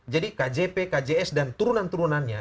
kjp kjs dan turunan turunannya